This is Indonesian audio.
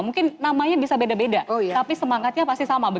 mungkin namanya bisa beda beda tapi semangatnya pasti sama